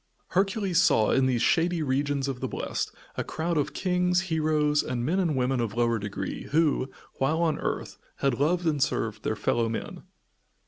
Hercules saw, in these shady regions of the blest, a crowd of kings, heroes and men and women of lower degree who, while on earth, had loved and served their fellow men.